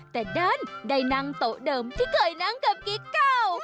แต่ดันได้นั่งโต๊ะเดิมที่เคยนั่งกับกิ๊กเก่า